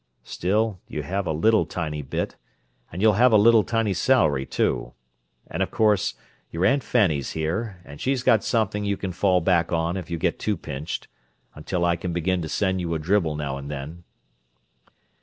Still, you have a little tiny bit, and you'll have a little tiny salary, too; and of course your Aunt Fanny's here, and she's got something you can fall back on if you get too pinched, until I can begin to send you a dribble now and then."